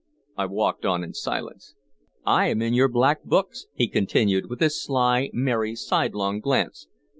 I walked on in silence. "I am in your black books," he continued, with his sly, merry, sidelong glance.